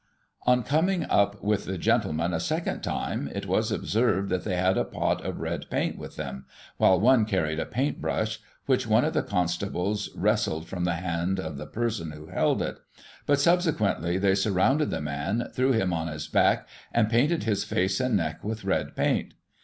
[1838 On coming up with the gentlemen a second time, it was observed that they had a pot of red paint with them, while one carried a paint brush, which one of the constables wrested from the hand of the person who held it ; but, subsequently, they surrounded the man, threw him on his back, and painted his face and neck with red paint.